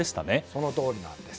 そのとおりなんです。